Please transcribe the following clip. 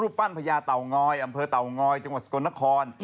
รูปปั้นพญาเต่องล้อยอัมเภอเต่องล้อยจังหวัศคล์นคร